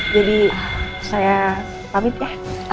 jadi saya pamit ya